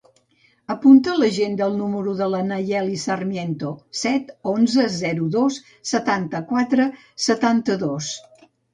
Apunta a l'agenda el número de la Nayeli Sarmiento: set, onze, zero, dos, setanta-quatre, setanta-dos.